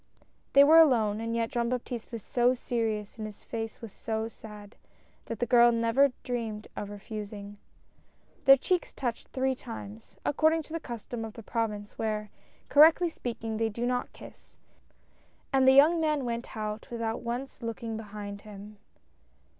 They were alone, and yet Jean Baptiste was so serious and his face was so sad, that the girl never dreamed of refusing. Their cheeks touched three times — according to the custom of the Province, where, correctly speaking, they do not kiss — and the young man went out without once looking behind him.